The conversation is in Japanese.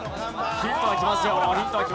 ヒントがきますよ。